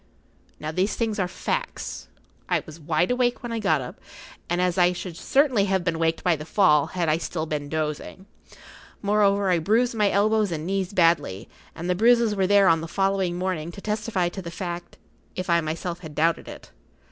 Now these things are facts. I was wide awake when I got up, and I should certainly have been waked by the fall had I still been dozing. Moreover, I bruised my elbows and knees badly, and the bruises were there on the following morning to testify to the fact, if I[Pg 42] myself had doubted it.